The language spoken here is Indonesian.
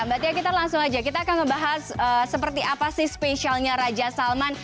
mbak tia kita langsung aja kita akan membahas seperti apa sih spesialnya raja salman